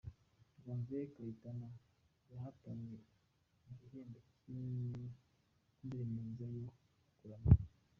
Janvier Kayitana yatahanye igihembo cy'indirimbo nziza yo kuramya.